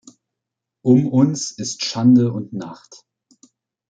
Um uns ist Schande und Nacht.